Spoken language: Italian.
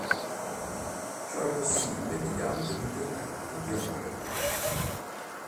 Ciò è possibile mediante l'intervento di Amore.